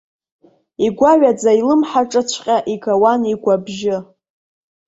Игәаҩаӡа илымҳа аҿыҵәҟьа игауан игәы абжьы.